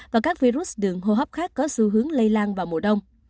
và các virus đường hô hấp khác có xu hướng lây lan vào mùa đông